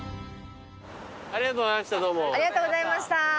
ありがとうございましたどうも。